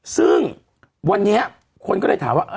ซึ่งวันนี้คนก็เลยถามว่า